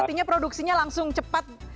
artinya produksinya langsung cepat